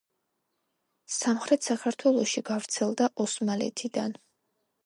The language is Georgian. სამხრეთ საქართველოში გავრცელდა ოსმალეთიდან.